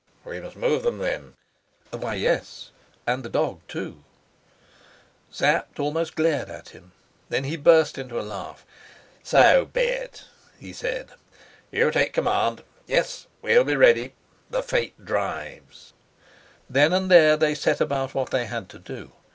"We must move them then?" "Why, yes. And the dog too." Sapt almost glared at him; then he burst into a laugh. "So be it," he said. "You take command. Yes, we'll be ready. The fate drives." Then and there they set about what they had to do.